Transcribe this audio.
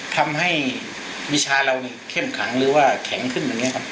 ทำให้วิชาเราเข้มขังหรือว่าแข็งขึ้น